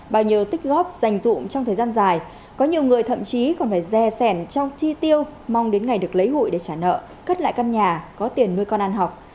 bao nhiêu tích góp dành dụng trong thời gian dài có nhiều người thậm chí còn phải re sản trong chi tiêu mong đến ngày được lấy hụi để trả nợ cất lại căn nhà có tiền nuôi con ăn học